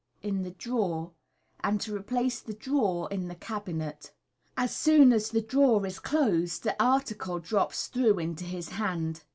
in the drawer, and to replace the drawer in the cabinet. As soon as the drawer is closed, the article drops through into his hand.